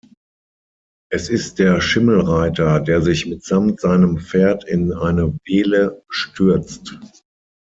Es ist der Schimmelreiter, der sich mitsamt seinem Pferd in eine Wehle stürzt.